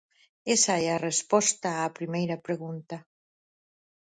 Esa é a resposta á primeira pregunta.